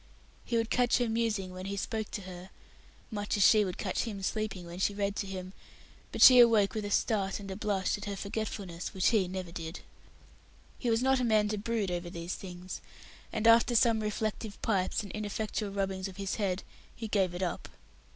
He would catch her musing when he spoke to her, much as she would catch him sleeping when she read to him but she awoke with a start and a blush at her forgetfulness, which he never did. He was not a man to brood over these things; and, after some reflective pipes and ineffectual rubbings of his head, he "gave it up".